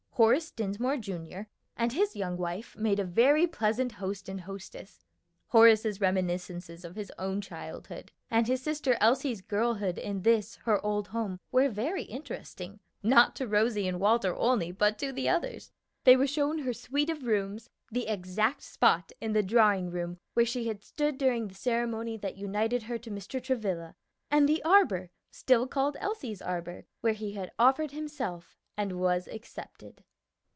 Horace Dinsmore, Jr., and his young wife made a very pleasant host and hostess. Horace's reminiscences of his own childhood and his sister Elsie's girlhood in this, her old home, were very interesting, not to Rosie and Walter only, but to the others. They were shown her suite of rooms, the exact spot in the drawing room where she stood during the ceremony that united her to Mr. Travilla, and the arbor still called Elsie's arbor where he offered himself and was accepted.